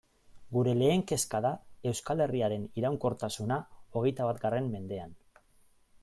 Gure lehen kezka da Euskal Herriaren iraunkortasuna hogeita batgarren mendean.